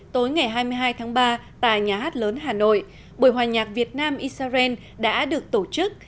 tối ngày hai mươi hai tháng ba tại nhà hát lớn hà nội buổi hòa nhạc việt nam israel đã được tổ chức